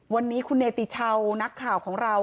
วันนี้คุณเนติชาวนักข่าวของเรา